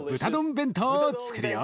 弁当をつくるよ。